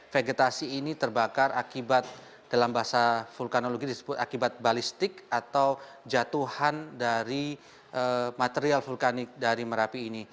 vegetasi ini terbakar akibat dalam bahasa vulkanologi disebut akibat balistik atau jatuhan dari material vulkanik dari merapi ini